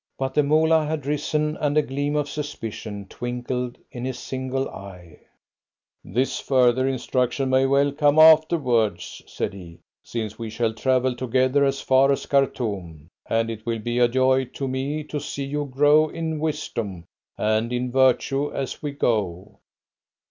But the Moolah had risen, and a gleam of suspicion twinkled in his single eye. "This further instruction may well come afterwards," said he, "since we shall travel together as far as Khartoum, and it will be a joy to me to see you grow in wisdom and in virtue as we go."